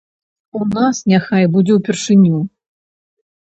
У нас няхай будзе ўпершыню.